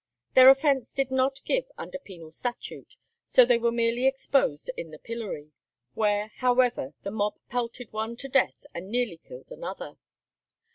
Their offence did not give under penal statute, so they were merely exposed in the pillory, where, however, the mob pelted one to death and nearly killed another.